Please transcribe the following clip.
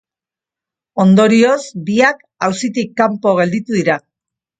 Ondorioz, biak auzitik kanpo gelditu dira.